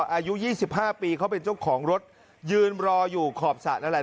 อายุ๒๕ปีเขาเป็นเจ้าของรถยืนรออยู่ขอบสระนั่นแหละ